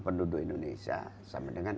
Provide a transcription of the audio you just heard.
penduduk indonesia sama dengan